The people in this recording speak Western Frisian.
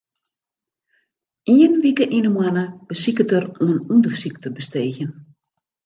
Ien wike yn 'e moanne besiket er oan ûndersyk te besteegjen.